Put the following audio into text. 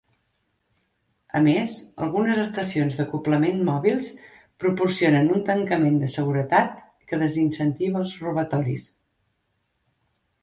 A més, algunes estacions d'acoblament mòbils proporcionen un tancament de seguretat que desincentiva els robatoris.